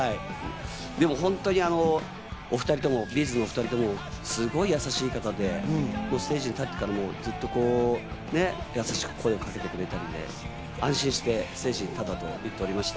本当にお２人ともＢ’ｚのお２人ともすごく優しい方で、ステージに立ってからもずっと優しく声をかけてくれて、安心してステージに立ったと言っておりました。